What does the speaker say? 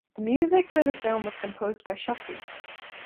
The music for the film was composed by Chakri.